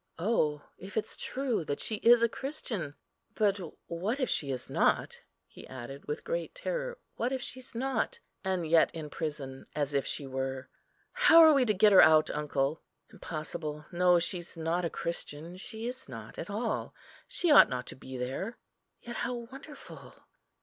Oh if it's true that she is a Christian! but what if she is not?" he added with great terror, "what if she's not, and yet in prison, as if she were? How are we to get her out, uncle? Impossible! no, she's not a Christian—she is not at all. She ought not to be there! Yet how wonderful!"